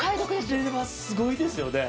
これはすごいですよね。